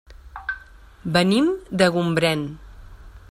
Venim de Gombrèn.